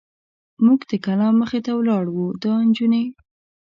موږ د کلا مخې ته ولاړ و، دا نجونې.